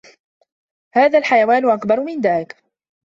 هذا الحيوان أكبر من ذاك.